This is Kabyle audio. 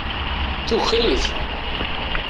Tuker-it.